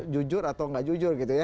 jujur atau nggak jujur gitu ya